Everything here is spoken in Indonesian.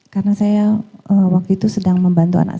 karena saya waktu itu sedang membantu anakku